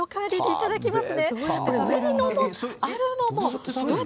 いただきます。